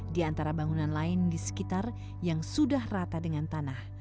di antara bangunan lain di sekitar yang sudah rata dengan tanah